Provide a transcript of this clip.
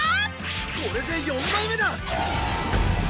これで４枚目だ！